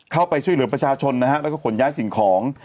เข้าไปช่วยเหลือประชาชนนะครับและคุณย้ายสิ่งของ